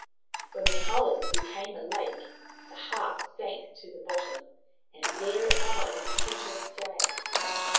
When the hole became a lake the heart sank to the bottom, and there it lies to this day.